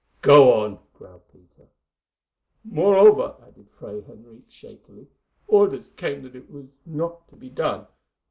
"Go on," growled Peter. "Moreover," added Fray Henriques shakily, "orders came that it was not to be done.